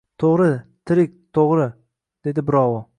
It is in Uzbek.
— To‘g‘ri, tirik, to‘g‘ri! — dedi birovi.